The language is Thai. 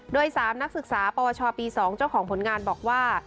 โดย๓นักศึกษาปวชปี๒เจ้าของผลงานบอกว่า